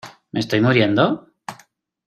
¿ me estoy muriendo?